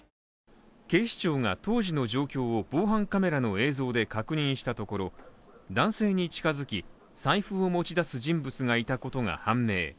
警視庁が当時の状況を防犯カメラの映像で確認したところ、男性に近づき財布を持ち出す人物がいたことが判明。